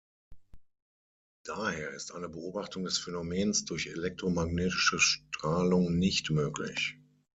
Daher ist eine Beobachtung des Phänomens durch elektromagnetische Strahlung nicht möglich.